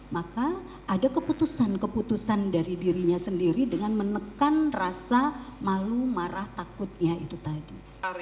maka ada keputusan keputusan dari dirinya sendiri dengan menekan rasa malu marah takutnya itu tadi